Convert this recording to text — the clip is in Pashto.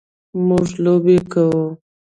مونږ لوبې کوو